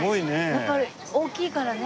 やっぱり大きいからね。